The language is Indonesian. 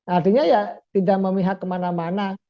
artinya ya tidak memihak kemana mana